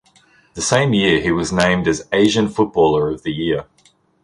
The same year he was named as Asian Footballer of the Year.